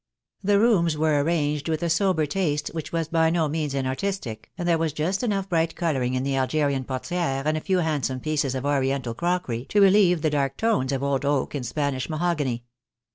The rooms were arranged with a sober taste which was by no means inartistic, and there was just enough bright colouring in the Algerian portieres THE DAY "WILL COME. I 77 and a few handsome pieces of Oriental crockery to re lieve the dark tones of old oak and Spanish mahogany.